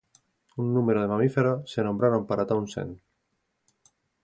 Un número de mamíferos, se nombraron para Townsend.